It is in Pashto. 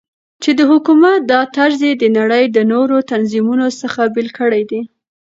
چې دحكومت دا طرز يي دنړۍ دنورو تنظيمونو څخه بيل كړى دى .